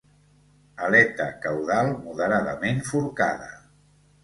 Aleta caudal moderadament forcada.